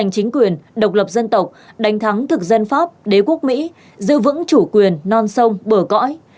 chính quyền độc lập dân tộc đánh thắng thực dân pháp đế quốc mỹ giữ vững chủ quyền non sông bờ cõi